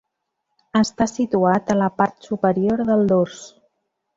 Està situat a la part superior del dors.